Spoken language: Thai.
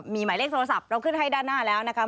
มีหมายเลขโทรศัพท์เราขึ้นให้ด้านหน้าแล้วนะคะ